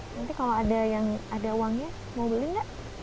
nanti kalau ada uangnya mau beli nggak